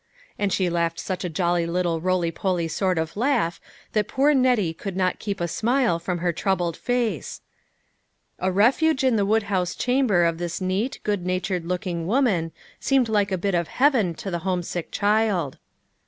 And she laughed such a jolly little roly poly sort of laugh that poor Nettie could not keep a smile from her troubled face. A refuge in the woodhouse chamber of this neat, good natured looking woman seemed like a bit of heaven to the homesick child.